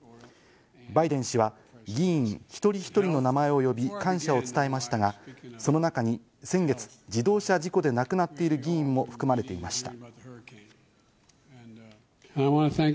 バイデン氏は議員一人一人の名前を呼び、感謝を伝えましたが、その中に先月、自動車事故で亡くなっている議員も含まれました。